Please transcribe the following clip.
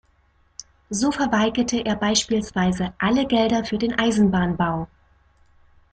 So verweigerte er beispielsweise alle Gelder für den Eisenbahnbau.